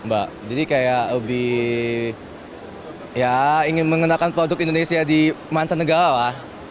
jadi kayak lebih ingin mengenakan produk indonesia di mancanegara